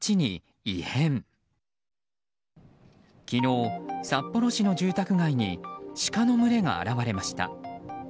昨日、札幌市の住宅街にシカの群れが現れました。